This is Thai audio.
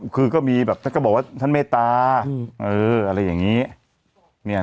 คือก็มีแบบท่านก็บอกว่าท่านเนต่าอืมเอออะไรอย่างงี้เนี่ย